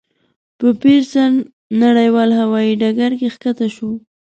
په پېرسن نړیوال هوایي ډګر کې کښته شوه.